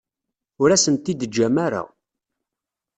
Ur asen-t-id-teǧǧam ara.